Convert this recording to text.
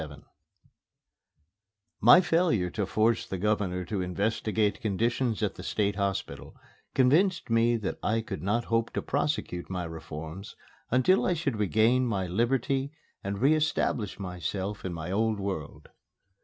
XXVII My failure to force the Governor to investigate conditions at the State Hospital convinced me that I could not hope to prosecute my reforms until I should regain my liberty and re establish myself in my old world.